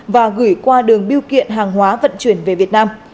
và gửi qua đường biêu kiện hàng hóa vận chuyển về việt nam